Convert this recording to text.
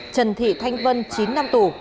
trần thị thanh vân chín năm tù